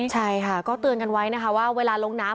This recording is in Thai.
ใช่ค่ะก็เตือนกันไว้นะคะว่าเวลาลงน้ำ